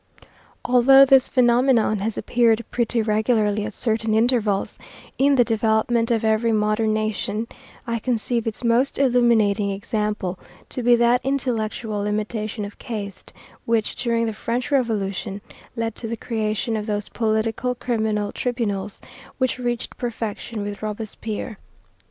Although this phenomenon has appeared pretty regularly, at certain intervals, in the development of every modern nation, I conceive its most illuminating example to be that intellectual limitation of caste which, during the French Revolution, led to the creation of those political criminal tribunals which reached perfection with Robespierre.